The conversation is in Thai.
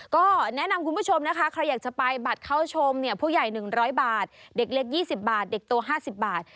ก็แนะนำคุณผู้ชมนะคะใครอยากจะไปบัตรเข้าชมเนี่ยผู้ใหญ่๑๐๐บาทเด็กเล็ก๒๐บาทเด็กโต๕๐บาท